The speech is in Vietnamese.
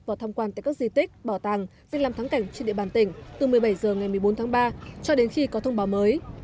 vào thăm quan tại các di tích bảo tàng dịch làm thắng cảnh trên địa bàn tỉnh từ một mươi bảy h ngày một mươi bốn tháng ba cho đến khi có thông báo mới